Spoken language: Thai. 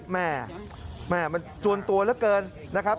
แม่แม่มันจวนตัวเหลือเกินนะครับ